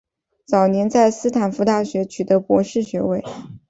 早年在斯坦福大学取得博士学位。